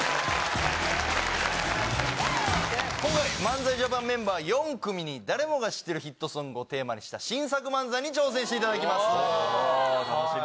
今回、漫才ＪＡＰＡＮメンバー４組に、誰もが知ってるヒットソングをテーマにした新作漫才に挑戦してい楽しみ。